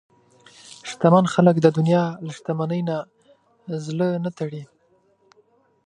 شتمن خلک د دنیا له شتمنۍ نه زړه نه تړي.